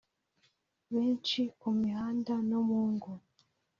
benshi ku mihanda no mu ngo